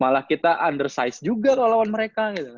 malah kita undersize juga loh lawan mereka gitu kan